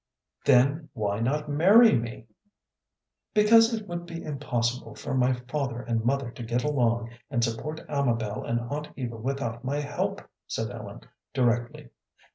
"Then why not marry me?" "Because it will be impossible for my father and mother to get along and support Amabel and Aunt Eva without my help," said Ellen, directly.